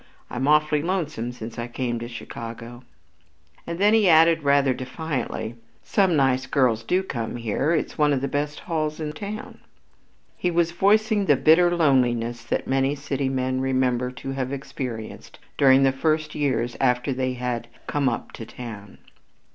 I'm awfully lonesome since I came to Chicago." And then he added rather defiantly: "Some nice girls do come here! It's one of the best halls in town." He was voicing the "bitter loneliness" that many city men remember to have experienced during the first years after they had "come up to town."